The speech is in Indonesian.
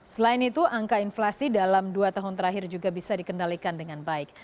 selain itu angka inflasi dalam dua tahun terakhir juga bisa dikendalikan dengan baik